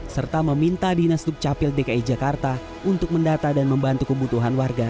serta meminta dinas dukcapil dki jakarta untuk mendata dan membantu kebutuhan warga